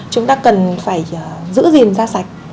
chúng ta cần phải giữ gìn da sạch